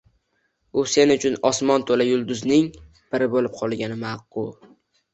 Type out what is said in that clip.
U sen uchun osmon to‘la yulduzning biri bo‘lib qolgani ma’qui.